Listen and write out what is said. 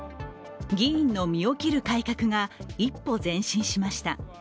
議員の身を切る改革が一歩前進しました。